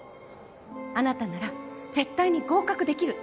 あなたなら絶対に合格できる！